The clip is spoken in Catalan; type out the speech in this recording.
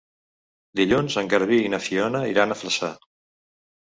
Dilluns en Garbí i na Fiona iran a Flaçà.